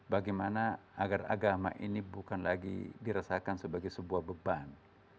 bagaimana agar agama ini bukan lagi dirasakan sebagai sebuah beban